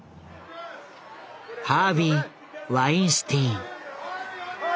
ハービー・ワインスティーン。